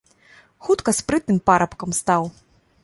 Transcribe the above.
Хутка спрытным парабкам стаў.